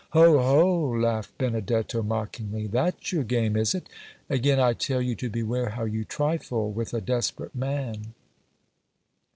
"Ho! ho!" laughed Benedetto, mockingly, "that's your game, is it? Again I tell you to beware how you trifle with a desperate man!"